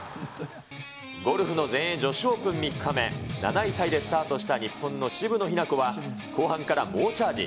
ゴルフの全英女子オープン３日目、７位タイでスタートした日本の渋野日向子は、後半から猛チャージ。